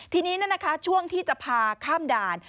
ทีนี้นะคะช่วงที่จะพาข้ามด่าน